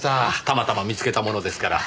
たまたま見つけたものですから。